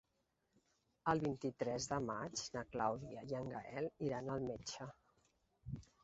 El vint-i-tres de maig na Clàudia i en Gaël iran al metge.